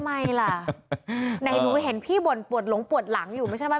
ทำไมล่ะไหนหนูเห็นพี่บ่นปวดหลงปวดหลังอยู่ไม่ใช่มั